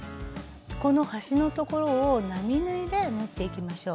この端の所を並縫いで縫っていきましょう。